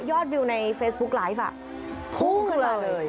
วิวในเฟซบุ๊กไลฟ์พุ่งขึ้นมาเลย